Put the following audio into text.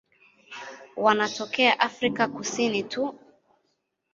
Wanatokea Afrika Kusini tu.